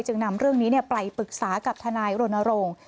นำเรื่องนี้ไปปรึกษากับทนายรณรงค์